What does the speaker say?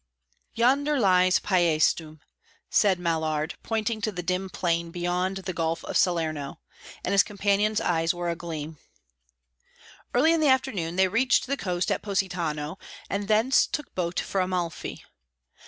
"Yonder lies Paestum," said Mallard, pointing to the dim plain beyond the Gulf of Salerno; and his companion's eyes were agleam. Early in the afternoon they reached the coast at Positano, and thence took boat for Amalfi.